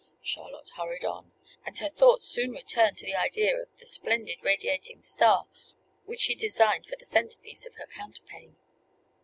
Charlotte hurried on; and her thoughts soon returned to the idea of the splendid radiating star which she designed for the centerpiece of her counterpane.